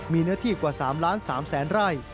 มีเนื้อที่กว่า๓ล้าน๓แสนไร่